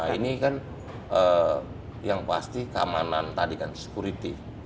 ini kan yang pasti keamanan tadi kan security